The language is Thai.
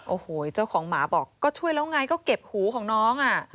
โอ้โหเจ้าของหมาบอกก็ช่วยแล้วไงก็เก็บหูของน้อง